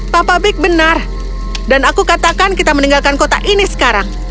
papa big benar dan aku katakan kita meninggalkan kota ini sekarang